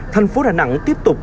thành phố đà nẵng tiếp tục